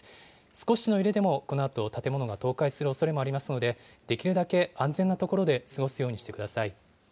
少しの揺れでも、このあと建物が倒壊するおそれもありますので、できるだけ安全な所で過ごすようにしてください。